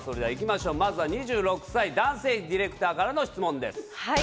まずは２６歳男性ディレクターからの質問です。